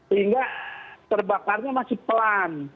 sehingga terbakarnya masih pelan